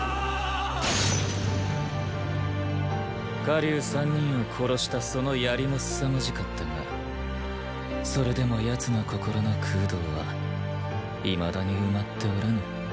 火龍三人を殺したその槍もすさまじかったがそれでも奴の心の空洞はいまだに埋まっておらぬ。